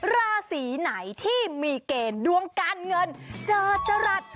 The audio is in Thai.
ราศีไหนที่มีเกณฑ์ดวงการเงินเจอจรัส